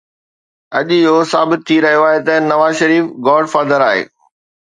اڄ اهو ثابت ٿي رهيو آهي ته نواز شريف گاڊ فادر آهي.